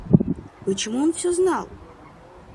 Почему он всё знал?